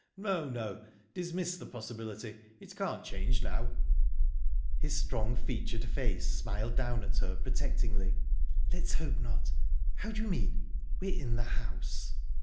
"No, no. Dismiss the possibility. It can't change now." His strong featured face smiled down at her protectingly. "Let's hope not...How do you mean 'we're in the house'?"